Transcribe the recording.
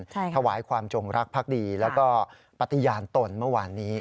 ถวายความจงรักพักดีแล้วก็ปฏิญาณตนเมื่อวานนี้